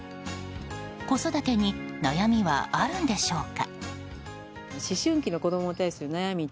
子育てに悩みはあるんでしょうか。